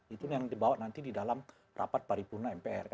itu yang dibawa nanti di dalam rapat paripurna mpr